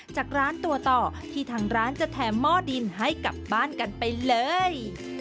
จากร้านตัวต่อที่ทางร้านจะแถมหม้อดินให้กลับบ้านกันไปเลย